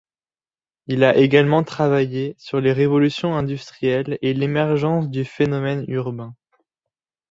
Il a également travaillé sur les révolutions industrielles et l'émergence du phénomène urbain.